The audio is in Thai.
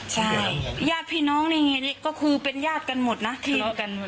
ใช่ญาติพี่น้องนี่ก็คือเป็นญาติกันหมดนะทีม